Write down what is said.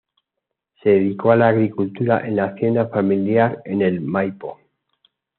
Se dedicó a la agricultura en la hacienda familiar en el Maipo.